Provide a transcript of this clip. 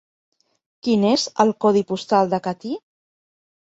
Quin és el codi postal de Catí?